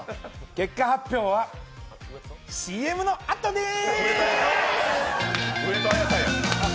結果発表はＣＭのあとです！